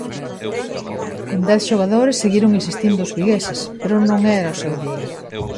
Con dez xogadores seguiron insistindo os vigueses, pero non era o seu día.